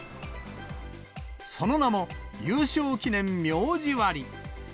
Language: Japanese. その名も優勝記念名字割。